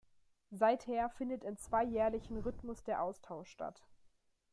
Seither findet im zweijährlichen Rhythmus der Austausch statt.